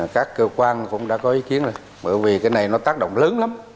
các cơ quan cũng đã có ý kiến rồi bởi vì cái này nó tác động lớn lắm